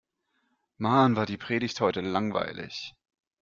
Mann, war die Predigt heute langweilig!